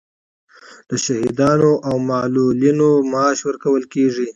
د شهیدانو او معلولینو معاش ورکول کیږي